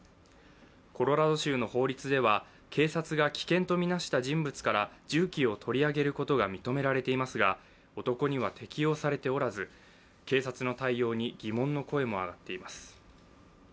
コロラド州の法律では警察が危険とみなした人物から銃器を取り上げることが認められていますが男には適用されておらず、警察の対応に疑問の声も上がっています。